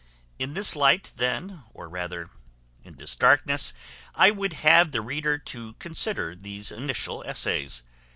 In this light, then, or rather in this darkness, I would have the reader to consider these initial essays.